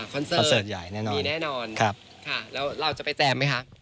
คอนเซิร์ตมีแน่นอนค่ะแล้วเราจะไปแจมไหมคะ